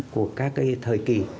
của các thời kỳ